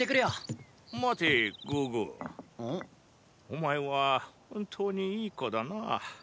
お前は本当にいい子だな。